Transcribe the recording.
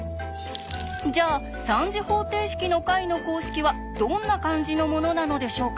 じゃあ３次方程式の解の公式はどんな感じのものなのでしょうか？